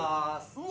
うわ！